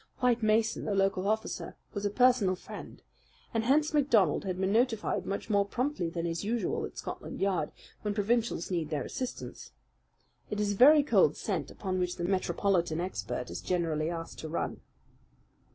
White Mason, the local officer, was a personal friend, and hence MacDonald had been notified much more promptly than is usual at Scotland Yard when provincials need their assistance. It is a very cold scent upon which the Metropolitan expert is generally asked to run.